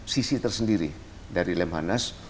sisi tersendiri dari lemhanas